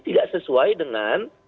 tidak sesuai dengan